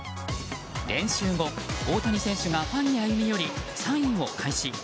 練習後、大谷選手がファンに歩み寄り、サインを開始。